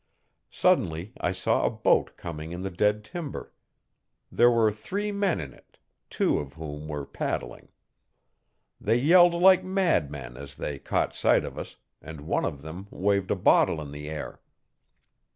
Suddenly I saw a boat coming in the dead timber. There were three men in it, two of whom were paddling. They yelled like mad men as they caught sight of us, and one of them waved a bottle in the air.